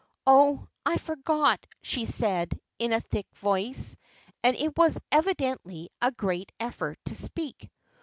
"Oh, I forgot," she said, in a thick voice; and it was evidently a great effort to speak.